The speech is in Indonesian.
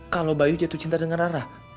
kalau bayu jatuh cinta dengan rara